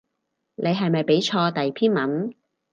你係咪畀錯第篇文